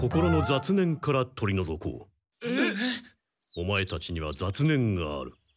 オマエたちには雑念がある。